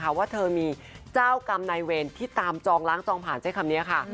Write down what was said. เพราะว่าเธอมีเจ้ากรรมนายเวรที่ตามจองล้างจองผ่านใช้คำนี้ค่ะ